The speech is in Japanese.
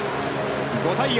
５対４。